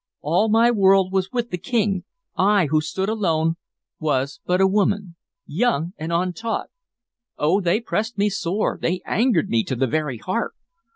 All my world was with the King; I, who stood alone, was but a woman, young and untaught. Oh, they pressed me sore, they angered me to the very heart!